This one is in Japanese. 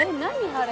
あれ。